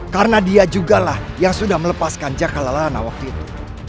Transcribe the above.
karena dia juga lah yang sudah melepaskan jakalalana waktu itu